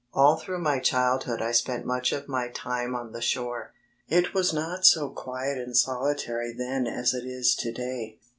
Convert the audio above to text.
All through my childhood I spent much of my time on the shore. It was not so quiet and solitary then as it is to day.